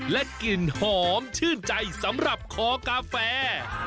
และกลิ่นหอมชื่นใจสำหรับคอกาแฟ